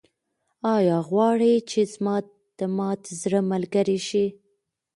ایا غواړې چې زما د مات زړه ملګرې شې؟